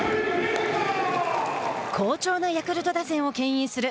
好調なヤクルト打線をけん引する